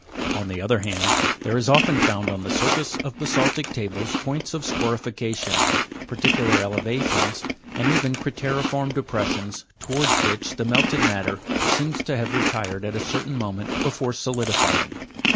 On the other hand, there is often found on the surface of basa'ltic tables points of scorification, par ticular elevations, and even crate'riform depressions, towards which the melted matter seems to have retired at a certain moment before solidifying.